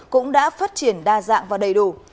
cũng đã phát triển đa dạng và đầy đủ